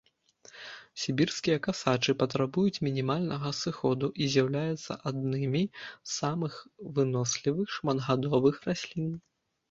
Сібірскія касачы патрабуюць мінімальнага сыходу і з'яўляюцца аднымі з самых вынослівых шматгадовых раслін.